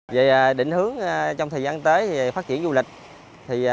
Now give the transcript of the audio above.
về định hướng trong thời gian tới phát triển du lịch